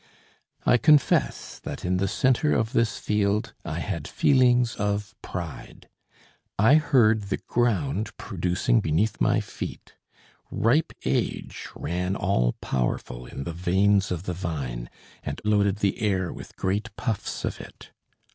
I confess that in the centre of this field, I had feelings of pride. I heard the ground producing beneath my feet; ripe age ran all powerful in the veins of the vine, and loaded the air with great puffs of it.